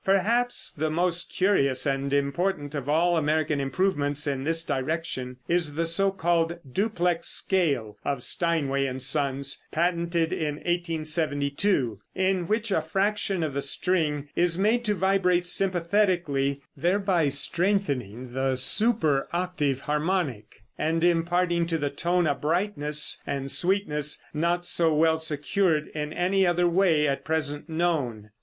Perhaps the most curious and important of all American improvements in this direction is the so called "duplex scale" of Steinway & Sons, patented in 1872, in which a fraction of the string is made to vibrate sympathetically, thereby strengthening the super octave harmonic, and imparting to the tone a brightness and sweetness not so well secured in any other way at present known.